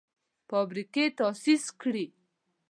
فابریکې تاسیس کړي.